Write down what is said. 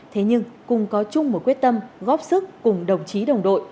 thế nhưng cùng có chung một quyết tâm góp sức cùng đồng chí đồng đội